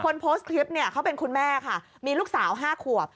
คนโพสต์คลิปเนี่ยเขาเป็นคุณแม่ค่ะมีลูกสาว๕ขวบ